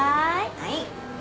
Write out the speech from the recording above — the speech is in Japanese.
はい。